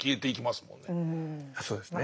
そうですね。